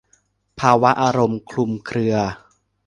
ภาวะอารมณ์คลุมเครือ